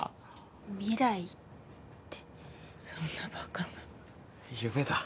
未来ってそんなバカな夢だ